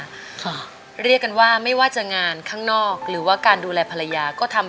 สามีก็ต้องพาเราไปขับรถเล่นดูแลเราเป็นอย่างดีตลอดสี่ปีที่ผ่านมา